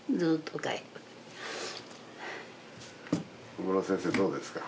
ここの先生どうですか？